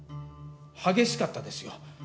激しかったですよ。